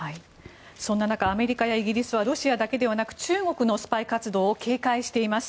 そんな中アメリカやイギリスはロシアだけではなく中国のスパイ活動を警戒しています。